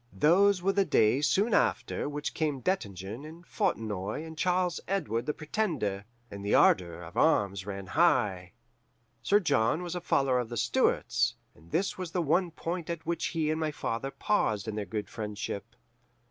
"Those were the days soon after which came Dettingen and Fontenoy and Charles Edward the Pretender, and the ardour of arms ran high. Sir John was a follower of the Stuarts, and this was the one point at which he and my father paused in their good friendship.